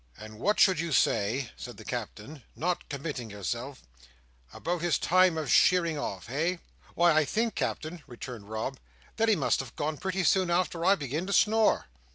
"And what should you say," said the Captain—"not committing yourself—about his time of sheering off? Hey?" "Why, I think, Captain," returned Rob, "that he must have gone pretty soon after I began to snore."